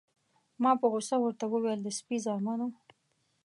ما په غوسه ورته وویل: د سپي زامنو.